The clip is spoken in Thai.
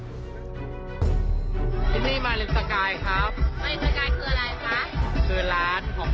ที่นี่มริสกายครับ